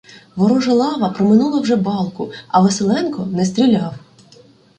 Ворожа лава проминула вже балку, а Василенко не стріляв.